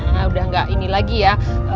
ya udah gak ini lagi ya